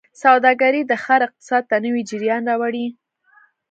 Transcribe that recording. سوداګرۍ د ښار اقتصاد ته نوي جریان راوړي.